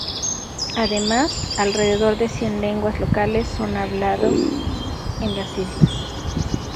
Además, alrededor de cien lenguas locales son hablados en las islas.